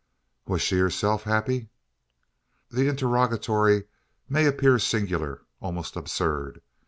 Was she herself happy? The interrogatory may appear singular almost absurd.